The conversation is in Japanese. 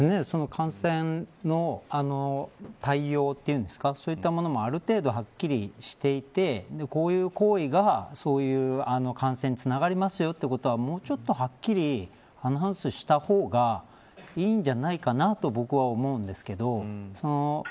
感染の対応というんですかそういったものもある程度、はっきりしていてこういう行為がそういう感染につながりますよということはもうちょっとはっきりアナウンスした方がいいんじゃないかなと僕は思うんですけど。